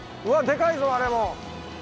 でかいぞあれも。